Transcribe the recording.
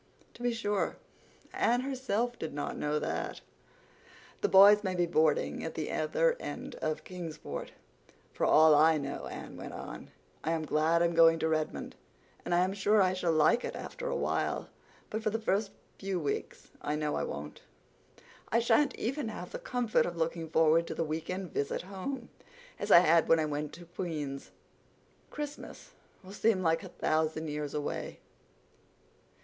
To be sure, Anne herself did not know that. "The boys may be boarding at the other end of Kingsport, for all I know," Anne went on. "I am glad I'm going to Redmond, and I am sure I shall like it after a while. But for the first few weeks I know I won't. I shan't even have the comfort of looking forward to the weekend visit home, as I had when I went to Queen's. Christmas will seem like a thousand years away."